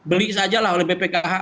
beli saja lah oleh bpkh